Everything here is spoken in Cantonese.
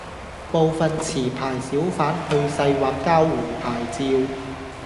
部分持牌小販去世或交回牌照